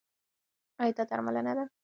ایا دا درملنه ده؟